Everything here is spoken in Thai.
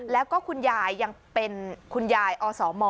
แล้วก็คุณยายยังเป็นคุณยายอสม